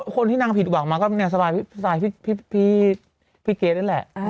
คนที่นางผิดหวังมาก็สไตล์พี่เก๊ดนั่นแหละ